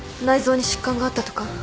内臓に疾患があったとか？